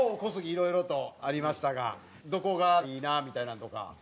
いろいろとありましたがどこがいいなみたいなんとか。